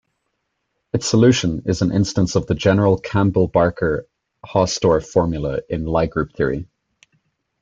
Its solution is an instance of the general Campbell-Baker-Hausdorff formula in Lie group theory.